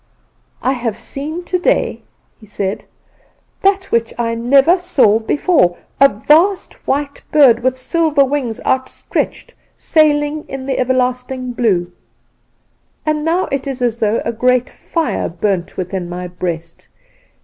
"'I have seen today,' he said, 'that which I never saw before a vast white bird, with silver wings outstretched, sailing in the everlasting blue. And now it is as though a great fire burnt within my breast.